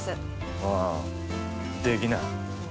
ああできない。